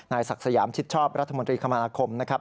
ศักดิ์สยามชิดชอบรัฐมนตรีคมนาคมนะครับ